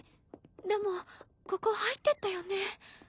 でもここ入ってったよね？